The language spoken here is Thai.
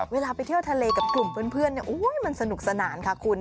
เวลาไปเที่ยวทะเลกับกลุ่มเพื่อนมันสนุกสนานค่ะคุณ